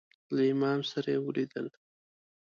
له امام سره یې ولیدل.